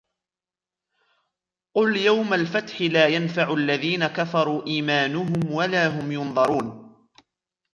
قل يوم الفتح لا ينفع الذين كفروا إيمانهم ولا هم ينظرون